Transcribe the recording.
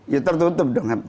ya tertutup dong